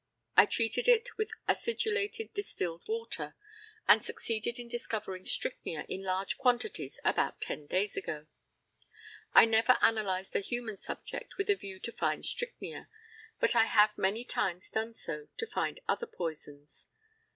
I treated it with acidulated distilled water, and succeeded in discovering strychnia in large quantities about 10 days ago. I never analysed a human subject with a view to find strychnia, but I have many times done so to find other poisons.